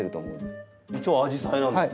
一応アジサイなんですか？